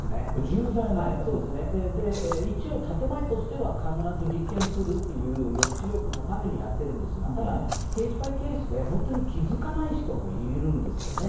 一応、建て前としては必ず立件するっていう抑止力のためにやってるんですが、ただ、ケースバイケースで、本当に気付かない人もいるんですよね。